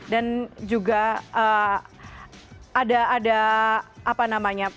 dan juga ada apa namanya